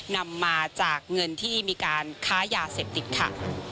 นำมาจากเงินที่มีการค้ายาเสพติดค่ะ